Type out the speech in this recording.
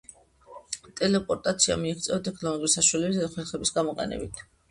ტელეპორტაცია მიიღწევა ტექნოლოგიური საშუალებებისა და ხერხების გამოყენებით.